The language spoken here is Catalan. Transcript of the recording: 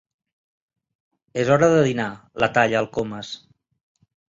És hora de dinar —la talla el Comas—.